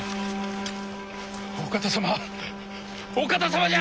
お方様お方様じゃ！